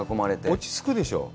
落ちつくでしょう？